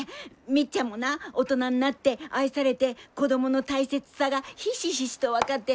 みっちゃんもな大人になって愛されて子供の大切さがひしひしと分かって。